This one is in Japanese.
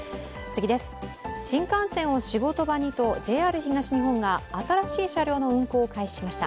新幹線を仕事ばにとＪＲ東日本が新しい車両の運行を開始しました。